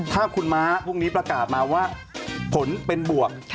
ถ้าคุณม้าพรุ่งนี้ประกาศมาว่าผลเป็นบวก